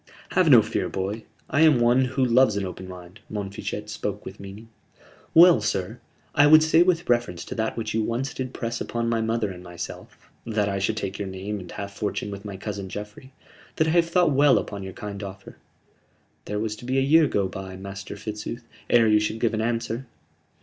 "Have no fear, boy. I am one who loves an open mind." Montfichet spoke with meaning. "Well, sir, I would say with reference to that which you once did press upon my mother and myself that I should take your name and half fortune with my cousin Geoffrey that I have thought well upon your kind offer." "There was to be a year go by, Master Fitzooth, ere you should give answer."